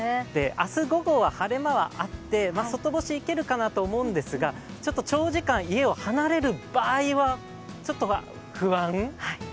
明日午後は晴れ間があって外干しいけるかなと思うんですが長時間家を離れる場合はちょっと不安？